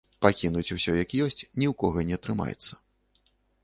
Пакінуць усё як ёсць ні ў кога не атрымаецца.